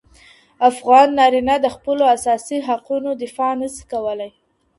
افغان نارینه د خپلو اساسي حقونو دفاع نه سي کولای.